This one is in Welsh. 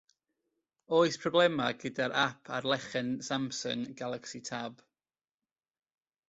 Oes problemau gyda'r ap ar lechen Samsung Galaxy Tab?